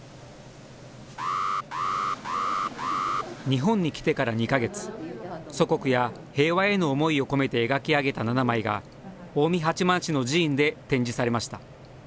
日本に来てから２か月、祖国や平和への思いを込めて描き上げた７枚が、近江八幡市の寺院で展示されました。